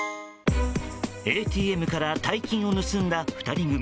ＡＴＭから大金を盗んだ２人組。